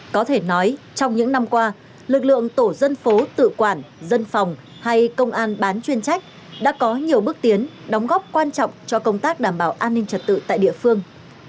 có thể nói trong những năm qua lực lượng tổ dân phố tự quản dân phòng hay công an bán chuyên trách đã có nhiều bước tiến đóng góp quan trọng cho công tác đảm bảo an ninh trật tự tại địa phương